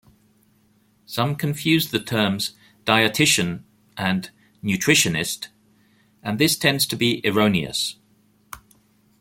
Some confuse the terms "dietitian" and "nutritionist," and this tends to be erroneous.